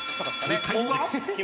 ［正解は？］